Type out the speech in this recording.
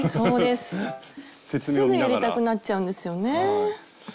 すぐやりたくなっちゃうんですよね。